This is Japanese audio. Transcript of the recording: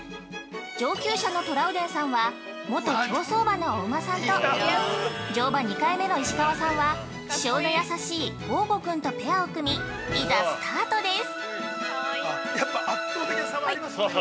上級者のトラウデンさんは元競走馬のお馬さんと乗馬２回目の石川さんは気性の優しいのゴーゴ君とペアを組み、いざスタートです。